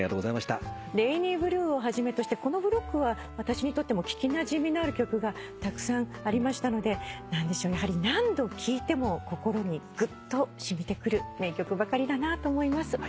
『レイニーブルー』をはじめとしてこのブロックは私にとっても聞きなじみのある曲がたくさんありましたのでやはり何度聴いても心にグッと染みてくる名曲ばかりだなと思います。